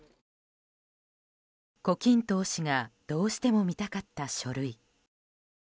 胡錦涛氏がどうしても見たかった書類。